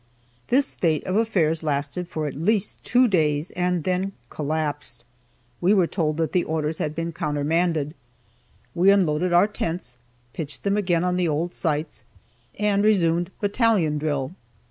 This state of affairs lasted for at least two days, and then collapsed. We were told that the orders had been countermanded; we unloaded our tents, pitched them again on the old sites, and resumed battalion drill.